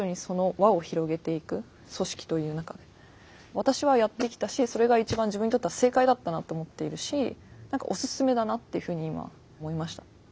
私はやってきたしそれが一番自分にとっては正解だったなと思っているし何かお勧めだなっていうふうに今思いました。